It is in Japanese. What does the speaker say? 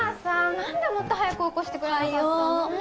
なんでもっと早く起こしてくれなかったの？